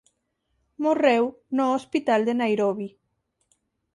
Morreu no hospital de Nairobi.